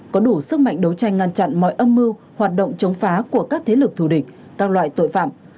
có đủ sức mạnh đấu tranh ngăn chặn mọi âm mưu hoạt động chống phá của các thế lực thù địch các loại tội phạm